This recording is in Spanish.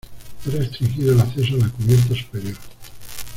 he restringido el acceso a la cubierta superior